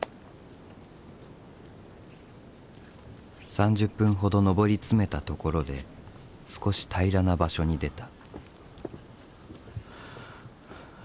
３０分ほど登り詰めたところで少し平らな場所に出た。